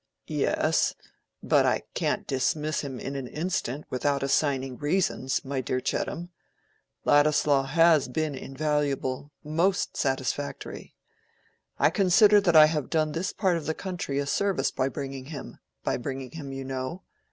"Yes, but I can't dismiss him in an instant without assigning reasons, my dear Chettam. Ladislaw has been invaluable, most satisfactory. I consider that I have done this part of the country a service by bringing him—by bringing him, you know."